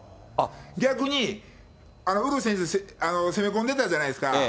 逆に、ウルフ選手、攻め込んでたじゃないですか。